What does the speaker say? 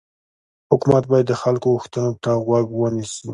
حکومت باید د خلکو غوښتنو ته غوږ ونیسي